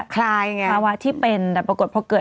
ไงภาวะที่เป็นแต่ปรากฏพอเกิด